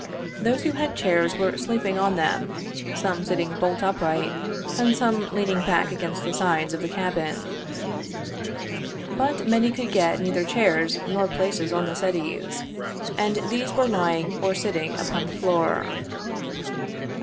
Those who had chairs were sleeping on them, some sitting bolt upright, and some lean ing back against the sides of the cabin. But many could get neither chairs nor places on the settees, and these were lying or sitting upon the floor.